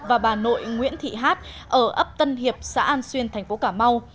và bà nội nguyễn thị hát ở ấp tân hiệp xã an xuyên thành phố cà mau